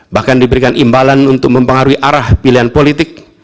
bahkan diberikan imbalan untuk mempengaruhi arah pilihan politik